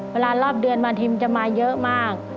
รอบเดือนมาทีมจะมาเยอะมาก